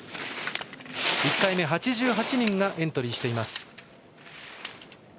１回目、８８人がエントリーしています。